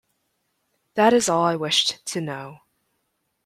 That is all I wished to know.